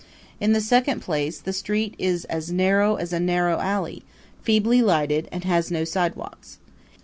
In the second place the street is as narrow as a narrow alley, feebly lighted, and has no sidewalks.